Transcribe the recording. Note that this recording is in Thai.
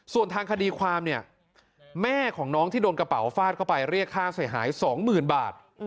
ฝ่ามเนี่ยแม่ของน้องที่โดนกระเป๋าฝาดเข้าไปเรียกค่าเสียหาย๒๐๐๐๐บาท